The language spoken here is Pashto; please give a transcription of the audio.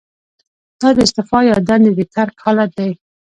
دا د استعفا یا دندې د ترک حالت دی.